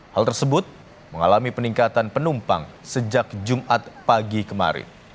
hal tersebut mengalami peningkatan penumpang sejak jumat pagi kemarin